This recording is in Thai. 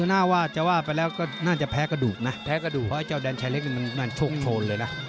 น่าจะว่าไปแล้วก็น่าจะแพ้กระดูกนะแพ้กระดูกเพราะไอ้เจ้าแดนชายเล็กนี่มันโชคโชนเลยนะ